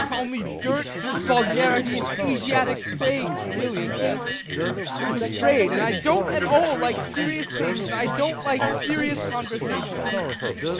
Only dirt, vulgarity, and Asiatic plagues really exist.... I'm afraid, and I don't at all like serious faces; I don't like serious conversations.